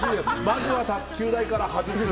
まずは卓球台から外す